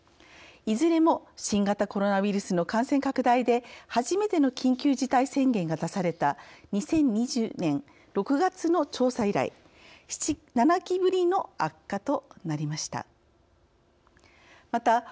いずれも新型コロナウイルスの感染拡大で初めての緊急事態宣言が出された２０２０年６月の調査以来７期ぶりの悪化となりました。